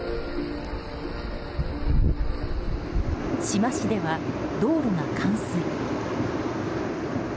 志摩市では道路が冠水。